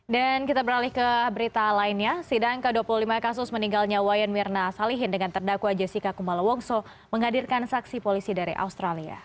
dan kita beralih ke berita lainnya sidang ke dua puluh lima kasus meninggalnya wayan mirna salihin dengan terdakwa jessica kumala wongso menghadirkan saksi polisi dari australia